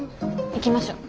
行きましょう。